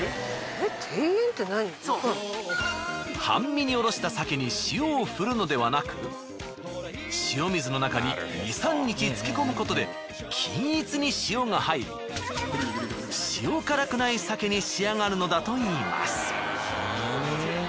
半身におろした鮭に塩をふるのではなく塩水の中に２３日漬け込むことで均一に塩が入り塩辛くない鮭に仕上がるのだといいます。